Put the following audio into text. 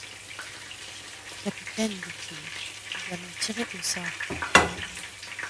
Capitaine, dit-il, nous allons tirer au sort.